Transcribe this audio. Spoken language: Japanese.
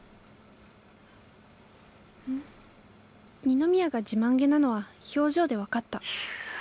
二宮が自慢気なのは表情で分かった。